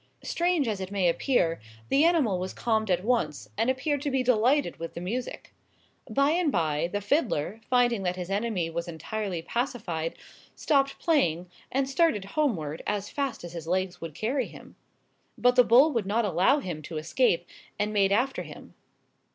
Strange as it may appear, the animal was calmed at once, and appeared to be delighted with the music. By and by, the fiddler, finding that his enemy was entirely pacified, stopped playing, and started homeward, as fast as his legs would carry him. But the bull would not allow him to escape, and made after him.